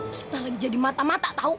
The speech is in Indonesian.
kita lagi jadi mata mata tau